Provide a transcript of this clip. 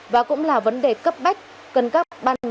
và cũng là vấn đề cấp bách cần các bậc phụ huynh